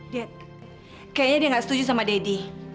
dad kayaknya dia gak setuju sama daddy